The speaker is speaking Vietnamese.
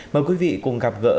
mời quý vị cùng gặp gỡ